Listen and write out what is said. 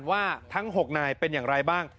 ว่าทั้ง๖นายเป็นไหนบ้าง